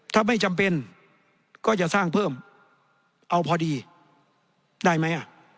ถ้าไม่จำเป็นก็จะสร้างเพิ่มเอาพอดีได้ไหม